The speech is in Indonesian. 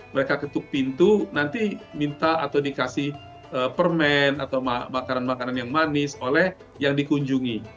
mereka ketuk pintu nanti minta atau dikasih permen atau makanan makanan yang manis oleh yang dikunjungi